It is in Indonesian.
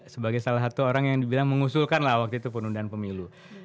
sebagai salah satu orang yang dibilang mengusulkan lah waktu itu penundaan pemilu